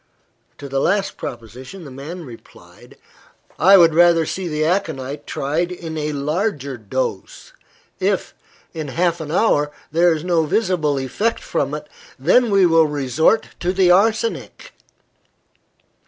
To the last proposition, the man replied "I would rather see the aconite tried in a larger dose. If, in half an hour, there is no visible effect from it, then we will resort to the arsenic."